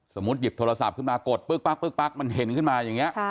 หยิบโทรศัพท์ขึ้นมากดปึ๊กมันเห็นขึ้นมาอย่างนี้